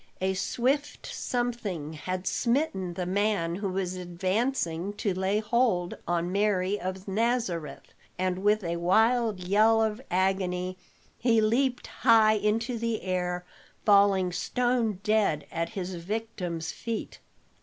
A swift something had smitten the man who was advancing to lay hold on Mary of Nazareth, and with a wild yell of agony he leapt high into the air, falling stone dead at his victim's feet.